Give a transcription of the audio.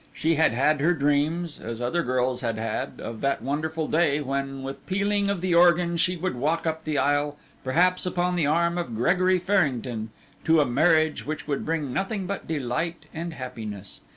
She had had her dreams, as other girls had had, of that wonderful day when with pealing of the organ she would walk up the aisle perhaps upon the arm of Gregory Farrington, to a marriage which would bring nothing but delight and happiness.